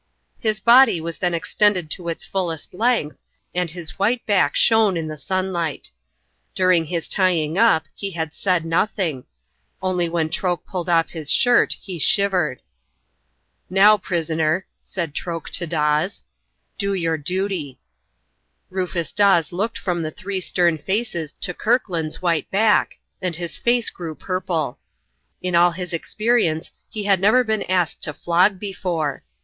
His body was then extended to its fullest length, and his white back shone in the sunlight. During his tying up he had said nothing only when Troke pulled off his shirt he shivered. "Now, prisoner," said Troke to Dawes, "do your duty." Rufus Dawes looked from the three stern faces to Kirkland's white back, and his face grew purple. In all his experience he had never been asked to flog before.